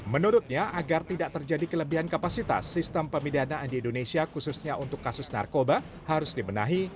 menurutnya agar tidak terjadi kelebihan kapasitas sistem pemidanaan di indonesia khususnya untuk kasus narkoba harus dibenahi